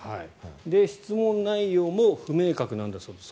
質問内容も不明確なんだそうです。